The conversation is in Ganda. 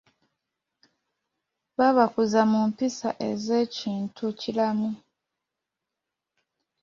Babakuza mu mpisa ez'ekintu kiramu.